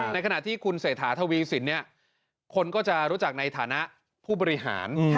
ในขณะที่คุณเศรษฐาทวีสินคนก็จะรู้จักในฐานะผู้บริหาร